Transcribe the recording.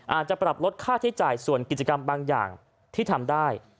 อาจจะปรับลดค่าใช้จ่ายส่วนกิจกรรมบางอย่างที่ทำได้